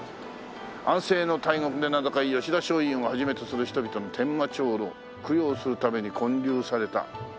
「安政の大獄で名高い吉田松陰を始めとする人々の伝馬町牢供養するために建立された」